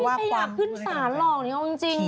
ไม่มีใครอยากขึ้นสารหรอกจริง